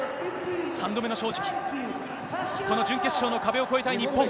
３度目の正直、この準決勝の壁を越えたい日本。